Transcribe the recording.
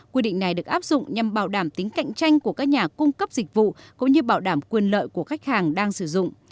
quy định này được áp dụng nhằm bảo đảm tính cạnh tranh của các nhà cung cấp dịch vụ cũng như bảo đảm quyền lợi của khách hàng đang sử dụng